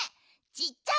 ちっちゃい？